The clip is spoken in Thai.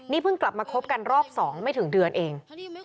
นี่เพิ่งกลับมาคบกันรอบ๒ไม่ถึงเดือนเอง